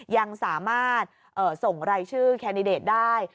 ยังสามารถส่งรายชื่อแคนดิเดตได้